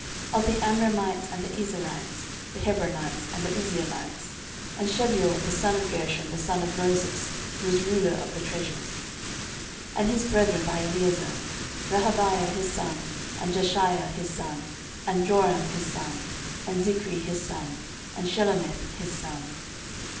13:026:023 Of the Amramites, and the Izharites, the Hebronites, and the Uzzielites: 13:026:024 And Shebuel the son of Gershom, the son of Moses, was ruler of the treasures. 13:026:025 And his brethren by Eliezer; Rehabiah his son, and Jeshaiah his son, and Joram his son, and Zichri his son, and Shelomith his son.